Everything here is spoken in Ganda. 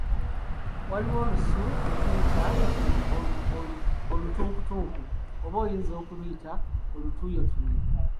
Waliwo olusu lwe tuyita "olutunkutunku", oba oyinza okuluyita olutuuyotuuyo.